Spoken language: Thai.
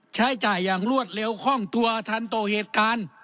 ใช้จ่ายอย่างรวดเร็วคล่องตัวทันต่อเหตุการณ์